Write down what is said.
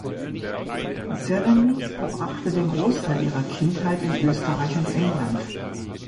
Sereny verbrachte den Großteil ihrer Kindheit in Österreich und England.